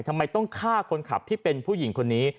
ทำไมต้องฆ่าคนขับที่เป็นผู้หญิงคนนี้